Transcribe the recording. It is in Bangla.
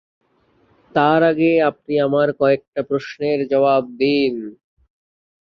তার আগে আপনি আমার কয়েকটা প্রশ্নের জবাব দিন।